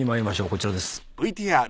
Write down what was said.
こちらです。